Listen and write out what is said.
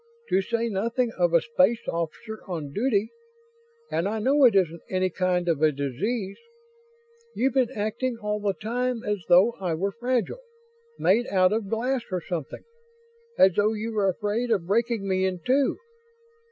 To say nothing of a space officer on duty. And I know it isn't any kind of a disease. You've been acting all the time as though I were fragile, made out of glass or something as though you were afraid of breaking me in two.